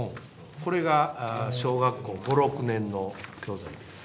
これが小学校５６年の教材です。